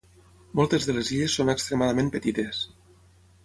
Moltes de les illes són extremadament petites.